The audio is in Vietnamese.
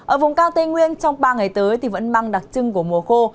ở vùng cao tây nguyên trong ba ngày tới thì vẫn mang đặc trưng của mùa khô